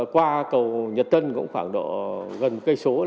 qua cầu nhật tân cũng khoảng độ gần cây số